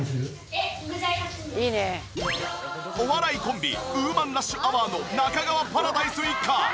お笑いコンビウーマンラッシュアワーの中川パラダイス一家。